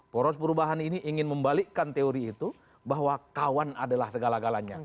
poros perubahan ini ingin membalikkan teori itu bahwa kawan adalah segala galanya